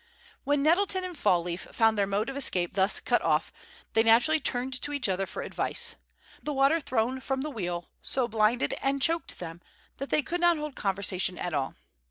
When Nettleton and Fall leaf found their mode of escape thus cut off, they naturally turned to each other for advice. But the water thrown from the wheel so blinded and choked them that they could not hold conversation at all.